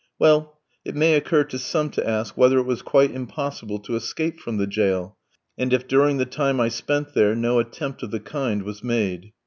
Well, it may occur to some to ask whether it was quite impossible to escape from the jail, and if during the time I spent there no attempt of the kind was made.